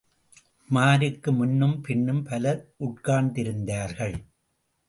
உமாருக்கு முன்னும் பின்னும் பலர் உட்கார்ந்திருந்தார்கள்.